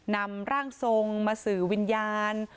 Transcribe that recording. นำร่างทรงมาสื่อวิญญาณ